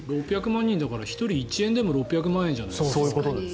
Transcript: ６００万人だから１人１円でも６００万円じゃないですか。